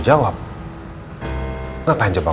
siapa ini dia